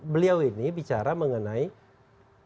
beliau ini bicara mengenai penyakit bangsa